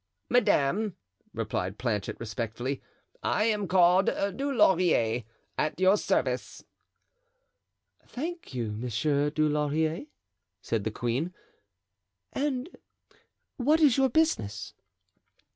"Madame," replied Planchet, respectfully, "I am called Dulaurier, at your service." "Thank you, Monsieur Dulaurier," said the queen; "and what is your business?"